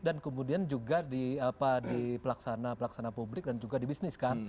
dan kemudian juga di pelaksana publik dan juga di bisnis kan